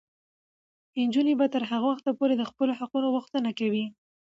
نجونې به تر هغه وخته پورې د خپلو حقونو غوښتنه کوي.